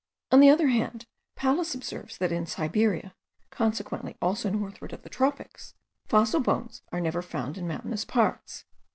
On the other hand, Pallas observes that in Siberia, consequently also northward of the tropics, fossil bones are never found in mountainous parts.